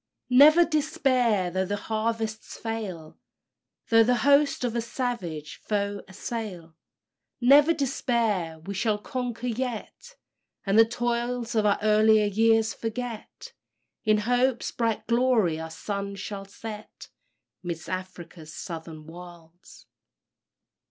"Never despair, though the harvests fail; Though the hosts of a savage foe assail; Never despair; we shall conquer yet, And the toils of our earlier years forget In hope's bright glory our sun shall set 'Midst Afric's Southern Wilds."